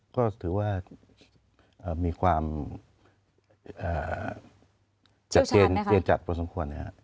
ก็ถือว่ามีความเจ็ดเจนจัดพอสมควรนะครับ